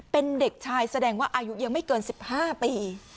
เป็นเด็กชายแสดงว่าอายุยังไม่เกิน๑๕ปี